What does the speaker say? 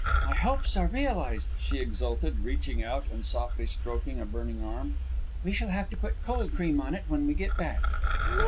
"My hopes are realized," she exulted, reaching out and softly stroking a burning arm. "We shall have to put cold cream on it when we get back."